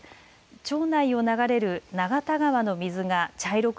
町内を流れる永田川の水が茶色く